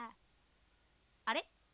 あれ？